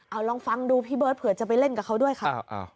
เอาลองฟังดูพี่เบิร์ตเผื่อจะไปเล่นกับเขาด้วยค่ะ